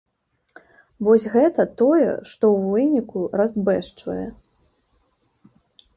Вось гэта тое, што ў выніку разбэшчвае.